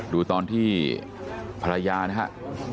ดูตอนที่ภรรยานะครับ